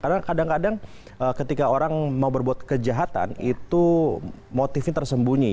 karena kadang kadang ketika orang mau berbuat kejahatan itu motifnya tersembunyi